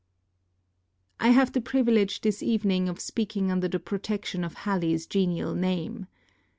I have the privilege this evening of speaking under the protection of Halley's genial name.